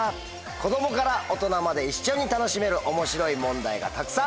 子供から大人まで一緒に楽しめる面白い問題がたくさん。